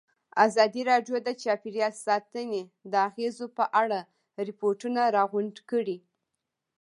ازادي راډیو د چاپیریال ساتنه د اغېزو په اړه ریپوټونه راغونډ کړي.